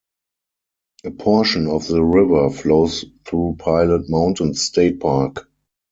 A portion of the river flows through Pilot Mountain State Park.